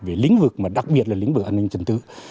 về lĩnh vực mà đặc biệt là lĩnh vực an ninh trật tự